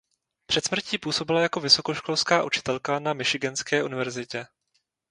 Před smrtí působila jako vysokoškolská učitelka na Michiganské univerzitě.